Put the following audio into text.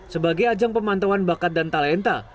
sebagai ajang pemantauan bakat dan talenta